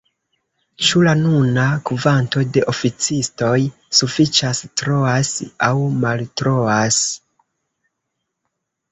Ĉu la nuna kvanto de oficistoj sufiĉas, troas aŭ maltroas?